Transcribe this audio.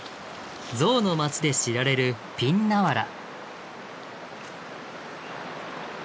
象の町で知られるピンナワラ。